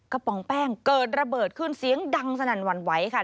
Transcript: ปองแป้งเกิดระเบิดขึ้นเสียงดังสนั่นหวั่นไหวค่ะ